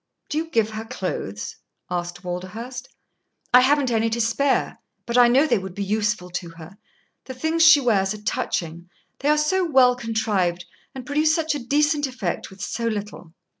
"Do you give her clothes?" asked Walderhurst. "I haven't any to spare. But I know they would be useful to her. The things she wears are touching; they are so well contrived, and produce such a decent effect with so little."